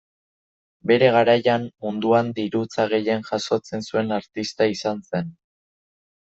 Bere garaian munduan dirutza gehien jasotzen zuen artista izan zen.